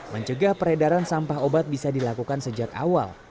mencegah peredaran sampah obat bisa dilakukan sejak awal